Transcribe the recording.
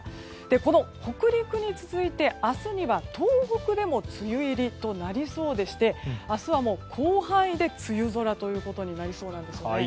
この北陸に続いて明日には東北でも梅雨入りとなりそうでして明日は広範囲で梅雨空となりそうなんですよね。